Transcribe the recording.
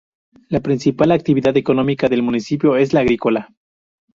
La principal actividad económica del municipio es la agrícola.